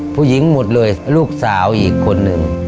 ผู้หญิงหมดเลยลูกสาวอีกคนหนึ่ง